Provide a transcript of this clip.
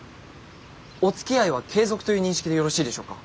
おつきあいは継続という認識でよろしいでしょうか。